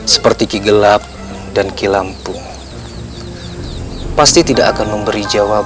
seperti kigelap dan kilampu pasti tidak akan memberi jawab